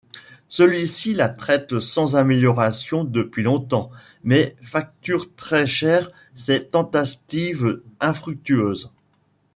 Celui-ci la traite sans amélioration depuis longtemps mais facture très cher ses tentatives infructueuses.